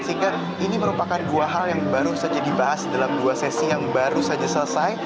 sehingga ini merupakan dua hal yang baru saja dibahas dalam dua sesi yang baru saja selesai